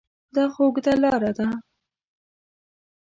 دا خو اوږده لاره ده ؟